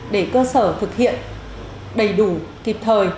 để cơ sở thực hiện đầy đủ kịp thời